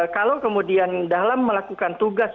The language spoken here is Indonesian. kalau kemudian dalam melakukan tugas